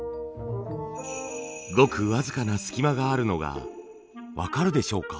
ごく僅かな隙間があるのが分かるでしょうか？